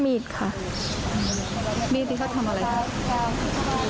มีดที่เขาทำอะไรครับ